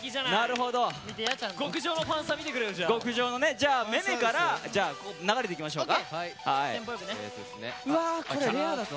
じゃあめめから流れていきましょうか。